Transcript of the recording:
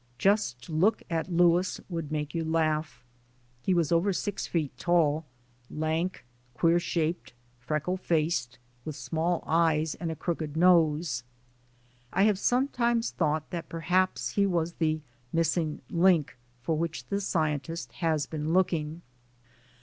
Just to look at Louis would make you laugh. He was over six feet tall, lank, queer shaped, freckle faced, with small eyes and a crooked nose. I have some times thought that perhaps he was the "missing link" for which the scientist has been looking.